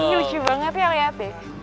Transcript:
lucu banget ya liat deh